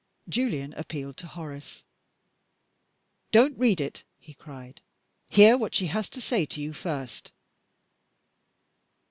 Julian appealed to Horace. "Don't read it!" he cried. "Hear what she has to say to you first!"